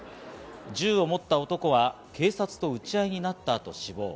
銃を持った男は警察と撃ち合いになった後、死亡。